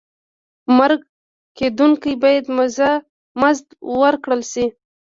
مرکه کېدونکی باید مزد ورکړل شي.